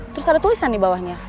terus ada tulisan di bawahnya